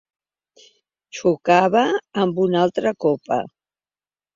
Xocada amb una altra copa.